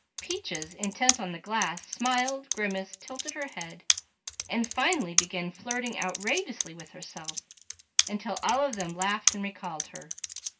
Peaches intent on the glass smiled, grimaced, tilted her head, and finally began flirting outrageously with herself, until all of them laughed and recalled her.